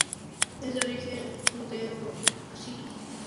Es de origen judeo-sirio.